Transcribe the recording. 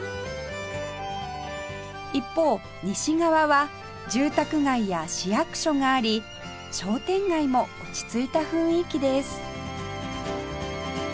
一方西側は住宅街や市役所があり商店街も落ち着いた雰囲気です